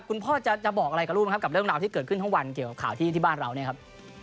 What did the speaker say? คุณพ่อจะบอกอะไรกับลูกไหมครับกับเรื่องราวที่เกิดขึ้นทั้งวันเกี่ยวกับข่าวที่บ้านเราเนี่ยครับ